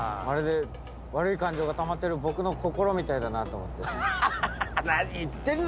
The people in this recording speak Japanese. まるで悪い感情がたまってる僕の心みたいだなと思って。